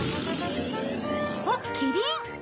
あっキリン。